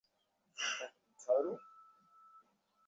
দেহের শক্তি বাড়ানো বা কোনো উপকার করার মতো সেটার অবস্থা আর নেই।